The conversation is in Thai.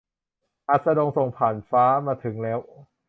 อัสดงส่งผ่านฟ้ามาถึงแล้ว